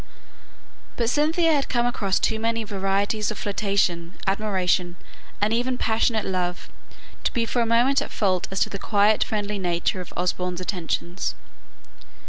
But Cynthia had come across too many varieties of flirtation, admiration, and even passionate love, to be for a moment at fault as to the quiet friendly nature of Osborne's attentions.